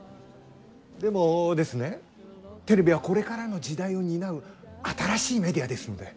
でもですねテレビはこれからの時代を担う新しいメディアですので。